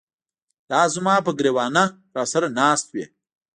لاس زماپه ګر ېوانه راسره ناست وې